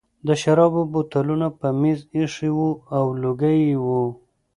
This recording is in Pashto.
د شرابو بوتلونه په مېز ایښي وو او لوګي وو